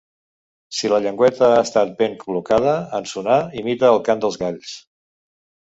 Si la llengüeta ha estat ben col·locada, en sonar, imita el cant dels galls.